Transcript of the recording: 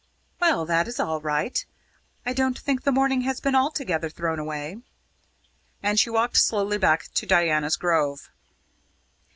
"Well, that is all right. I don't think the morning has been altogether thrown away." And she walked slowly back to Diana's Grove.